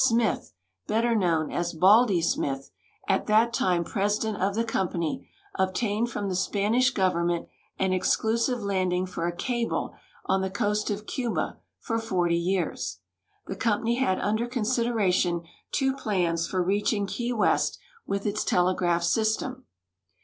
Smith, better known as " Baldy " Smith, at that time president of the company, obtained from the Spanish Government an exclusive landing for a calfie on the coast of Cuba for forty years. The company had under consideration two plans for reaching Key West with its telegraph system.